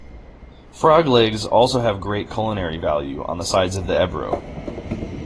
Frog legs also have great culinary value on the sides of the Ebro.